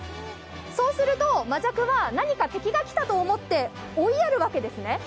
そうすると、マジャクは何か敵が来たと思って追いやるわけですね。